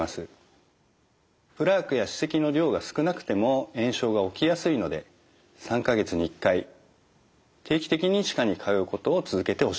プラークや歯石の量が少なくても炎症が起きやすいので３か月に１回定期的に歯科に通うことを続けてほしいです。